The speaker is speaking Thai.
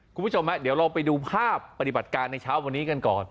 คุณผู้ชมฮะเดี๋ยวเราไปดูภาพปฏิบัติการในเช้าวันนี้กันก่อน